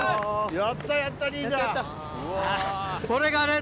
やったやった。